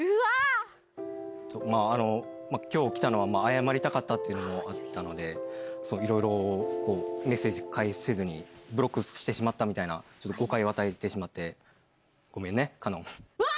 あの、きょう来たのは、謝りたかったっていうのもあったので、いろいろメッセージ返せずに、ブロックしてしまったみたいな、誤解を与えてしまって、ごめんね、うわー！